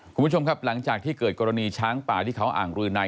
คุณผู้ชมครับหลังจากที่เกิดกรณีช้างป่าที่เขาอ่างรืนัย